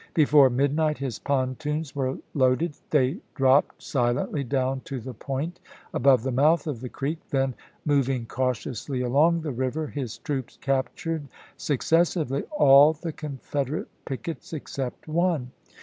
Before midnight his pontoons were loaded ; they dropped silently down to the point above the mouth of the creek ; then, moving cau tiously along the river, his troops captured, succes sively, all the Confederate pickets except one.